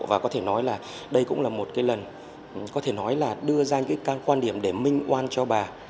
và có thể nói là đây cũng là một cái lần có thể nói là đưa ra những cái quan điểm để minh oan cho bà